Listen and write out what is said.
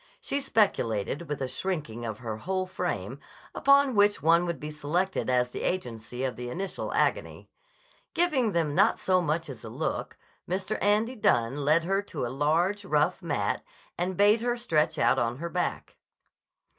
She speculated, with a shrinking of her whole frame, upon which one would be selected as the agency of the initial agony. Giving them not so much as a look, Mr. Andy Dunne led her to a large, rough mat and bade her stretch out on her back.